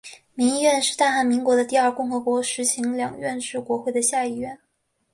民议院是大韩民国的第二共和国实行两院制国会的下议院。